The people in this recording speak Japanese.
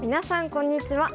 こんにちは。